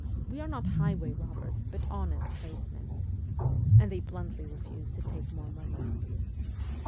We are not highway robbers, but honest tradesmen.' And they bluntly refused to take more money.